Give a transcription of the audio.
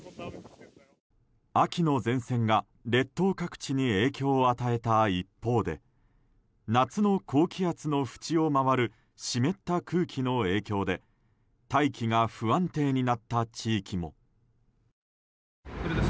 秋の前線が列島各地に影響を与えた一方で夏の高気圧のふちを回る湿った空気の影響で大気が不安定になった地域も。